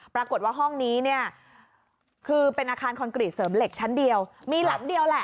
ปรากฏว่าห้องนี้คือเป็นอาคารส่วนเหล็กชั้นเดียวมีหลังเดียวแหละ